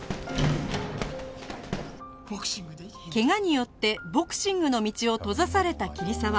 怪我によってボクシングの道を閉ざされた桐沢